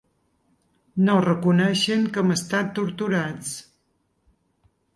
No reconeixen que hem estat torturats.